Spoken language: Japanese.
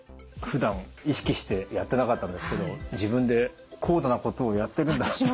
ふだん意識してやってなかったんですけど自分で高度なことをやってるんだなって。